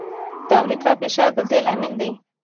د امریکا فشار د دې لامل دی.